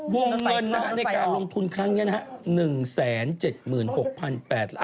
วงเงินในการลงทุนครั้งนี้นะครับ